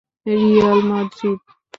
Real Madrid